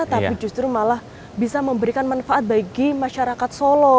tapi justru malah bisa memberikan manfaat bagi masyarakat solo